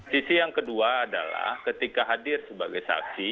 sisi yang kedua adalah ketika hadir sebagai saksi